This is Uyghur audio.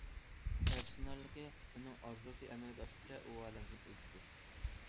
ئەپسۇسلىنارلىقى، ئۇنىڭ ئارزۇسى ئەمەلگە ئاشقۇچە ئۇ ئالەمدىن ئۆتىدۇ.